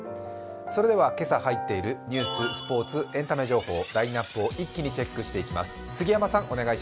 それでは今朝入っているニュース、スポーツ、エンタメ情報、ラインナップを一気にチェックしていきます。